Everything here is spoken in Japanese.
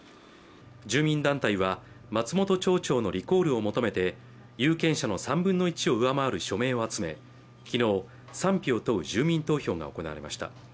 住民団体は、松本町長のリコールを求めて有権者の３分の１を上回る署名を集め、昨日、賛否を問う住民投票が行われました。